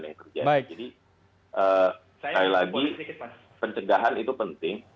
yang terjadi jadi sekali lagi pencegahan itu penting